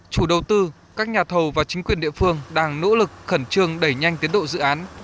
chủ đầu tư các nhà thầu và chính quyền địa phương đang nỗ lực khẩn trương đẩy nhanh tiến độ dự án